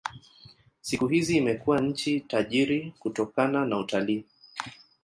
Siku hizi imekuwa nchi tajiri kutokana na utalii.